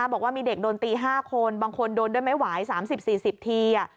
บอกว่ามีเด็กโดนตี๕คนบางคนโดนด้วยไม่ไหว๓๐๔๐ที